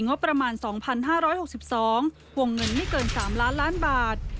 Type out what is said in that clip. งบประมาณ๒๕๖๒วงเงินไม่เกิน๓ล้านล้านบาท